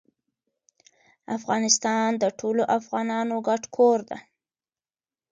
افغانستان د ټولو افغانانو ګډ کور ده.